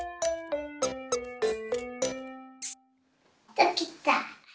できた。